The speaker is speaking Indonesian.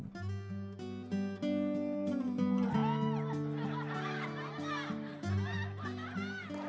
sebagai seorang pengetahuan